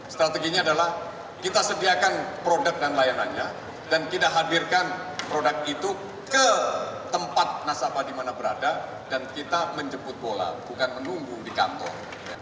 strateginya adalah kita sediakan produk dan layanannya dan kita hadirkan produk itu ke tempat nasabah di mana berada dan kita menjemput bola bukan menunggu di kantor